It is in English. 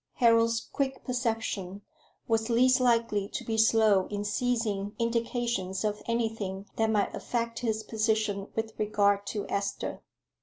Harold's quick perception was least likely to be slow in seizing indications of anything that might affect his position with regard to Esther.